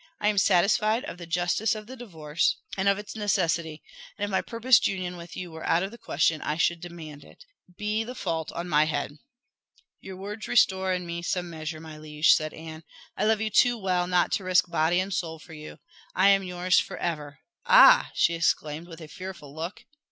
"I am satisfied of the justice of the divorce, and of its necessity; and if my purposed union with you were out of the question, I should demand it. Be the fault on my head." "Your words restore me in some measure, my liege," said Anne. "I love you too well not to risk body and soul for you. I am yours for ever ah!" she exclaimed, with a fearful look.